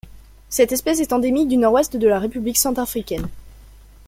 Cette espèce est endémique du Nord-Ouest de la République centrafricaine.